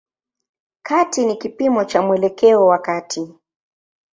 Kati ni kipimo cha mwelekeo wa kati.